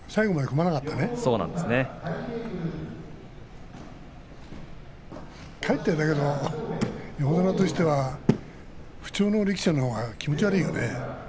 かえって横綱としては不調の力士のほうが気持ち悪いよね。